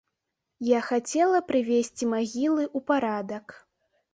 Я хацела прывесці магілы ў парадак.